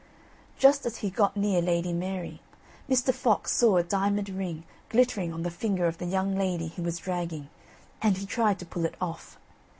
Just as he got near Lady Mary, Mr. Fox saw a diamond ring glittering on the finger of the young lady he was dragging, and he tried to pull it off.